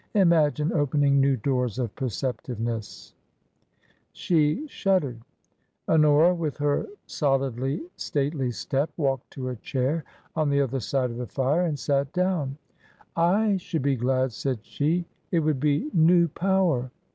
Imagine opening new doors of perceptiveness !" She shuddered. Honora, with her solidly stately step, walked to a chair on the other side of the fire and sat down. "I should be glad," said she; "it would be new power.